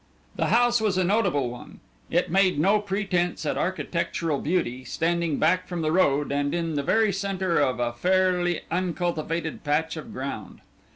The house was a notable one. It made no pretence at architectural beauty, standing back from the road, and in the very centre of a fairly uncultivated patch of ground.